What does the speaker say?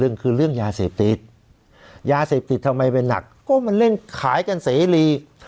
เรื่องคือเรื่องยาเสพติดยาเสพติดทำไมเป็นหนักก็มันเล่นขายกันเสรี